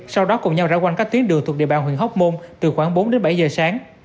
sau đó cùng nhau rão quanh các tuyến đường thuộc địa bàn huyện hóc môn từ khoảng bốn đến bảy giờ sáng